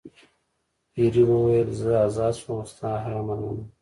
پیري وویل زه آزاد شوم او ستا هر امر منم.